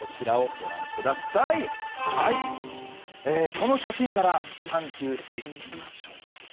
この写真から探究してみましょう。